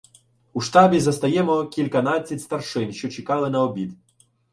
У штабі застаємо кільканадцять старшин, що чекали на обід.